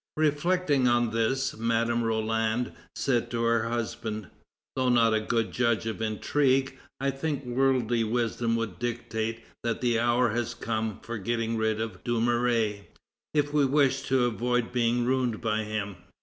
Reflecting on this, Madame Roland said to her husband: "Though not a good judge of intrigue, I think worldly wisdom would dictate that the hour has come for getting rid of Dumouriez, if we wish to avoid being ruined by him.